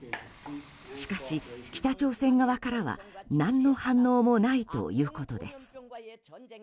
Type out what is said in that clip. しかし、北朝鮮側からは何の反応もないということです。